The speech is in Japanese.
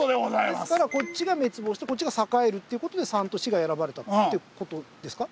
ですからこっちが滅亡してこっちが栄えるっていう事で３と４が選ばれたって事ですか？